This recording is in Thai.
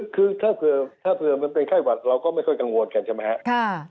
คือถ้าเผื่อมันเป็นไข้หวัดเราก็ไม่ค่อยกังวลกันใช่ไหมครับ